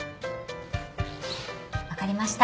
分かりました。